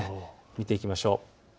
見ていきましょう。